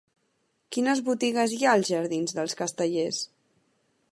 Quines botigues hi ha als jardins dels Castellers?